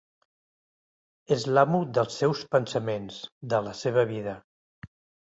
És l'amo dels seus pensaments, de la seva vida.